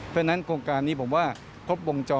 เพราะฉะนั้นโครงการนี้ผมว่าครบวงจร